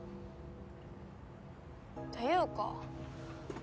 っていうかな